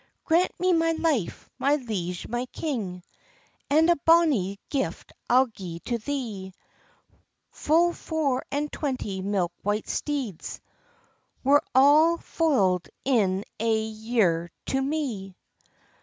"Grant me my life, my liege, my king! And a bonnie gift I'll gi'e to thee; Full four and twenty milk white steeds, Were all foal'd in ae year to me.